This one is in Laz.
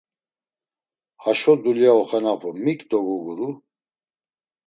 Haşo dulya oxenapu mik dogoguru?